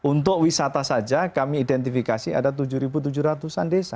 untuk wisata saja kami identifikasi ada tujuh tujuh ratus an desa